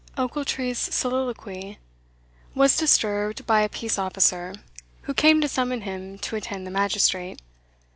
Ochiltree's soliloquy was disturbed by a peace officer, who came to summon him to attend the magistrate.